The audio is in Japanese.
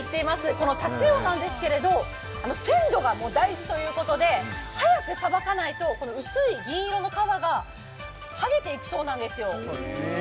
このタチウオなんですが鮮度が大事ということで、早くさばかないと薄い銀色の皮がはげていくそうなんですよ。